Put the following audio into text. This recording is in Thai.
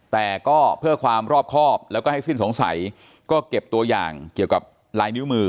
แต่ก็เพื่อความรอบครอบแล้วก็ให้สิ้นสงสัยก็เก็บตัวอย่างเกี่ยวกับลายนิ้วมือ